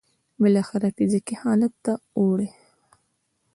بالاخره فزيکي حالت ته اوړي.